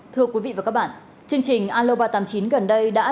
thưa quý vị và các bạn chương trình aloba tám mươi chín gần đây đã lưu ý